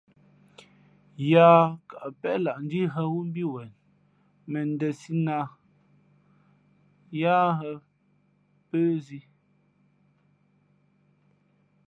Yāā kαʼ péʼ lah ndíhᾱ wú mbí wen mᾱndēnsī nά ā yáá hᾱ pə́ zī.